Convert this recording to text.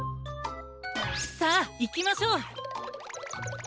さあいきましょう！